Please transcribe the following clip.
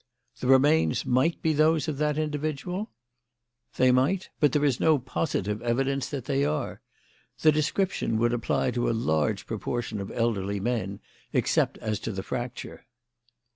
"The remains might be those of that individual?" "They might; but there is no positive evidence that they are. The description would apply to a large proportion of elderly men, except as to the fracture."